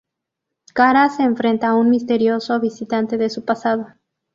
Cara se enfrenta a un misterioso visitante de su pasado.